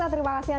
anda bisa melihat